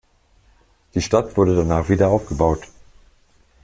Die Stadt wurde danach wiederaufgebaut.